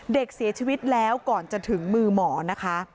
เด็กเสียชีวิตแล้วก่อนจะถึงมือหมอนะคะ